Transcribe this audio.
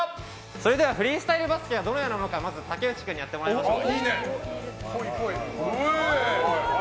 それではフリースタイルバスケはどのようなものかまず竹内君にやってもらいましょう。